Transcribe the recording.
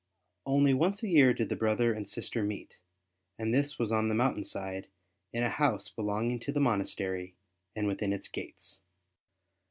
Only once a year did the brother and sister meet, and this was on the mountain side in a house belonging to the monastery and within its gates.